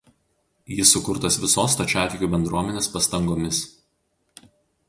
Jis sukurtas visos stačiatikių bendruomenės pastangomis.